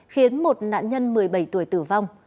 khiến một nạn nhân một mươi bảy tuổi tử vong